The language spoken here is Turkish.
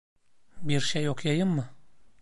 Bir şey okuyayım mı?